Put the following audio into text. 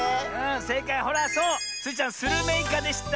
せいかいほらそうスイちゃんスルメイカでした。